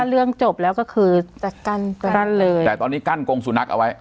เรื่องจบแล้วก็คือจะกั้นจะกั้นเลยแต่ตอนนี้กั้นกงสุนัขเอาไว้